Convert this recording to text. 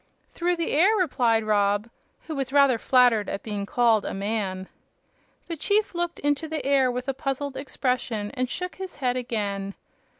"Through the air," replied Rob, who was rather flattered at being called a "man." The chief looked into the air with a puzzled expression and shook his head again.